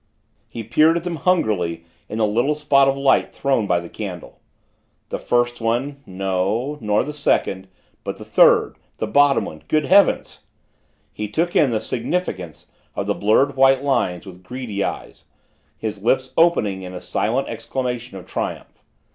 He peered at them hungrily in the little spot of light thrown by the candle. The first one no nor the second but the third the bottom one good heavens! He took in the significance of the blurred white lines with greedy eyes, his lips opening in a silent exclamation of triumph.